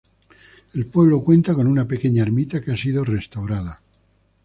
El pueblo cuenta con una pequeña ermita que ha sido restaurada.